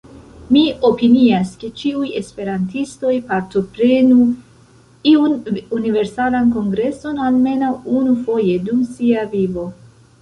Mi opinias ke ĉiuj esperantistoj partoprenu iun Universalan Kongreson almenaŭ unufoje dum sia vivo.